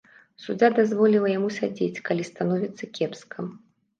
Суддзя дазволіла яму сядзець, калі становіцца кепска.